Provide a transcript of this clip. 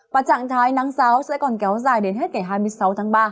và trạng thái nắng giáo sẽ còn kéo dài đến hết ngày hai mươi sáu tháng ba